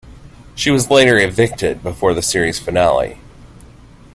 She was later evicted before the series finale.